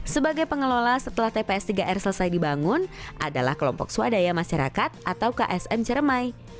sebagai pengelola setelah tps tiga r selesai dibangun adalah kelompok swadaya masyarakat atau ksm ceremai